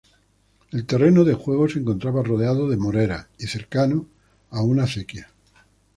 El terreno de juego se encontraba rodeado de moreras y cercano a una acequia.